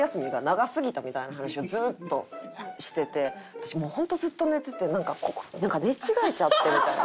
私もう本当ずっと寝てて「なんか寝違えちゃって」みたいな。